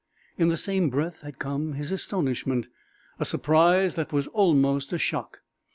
In the same breath had come his astonishment a surprise that was almost a shock.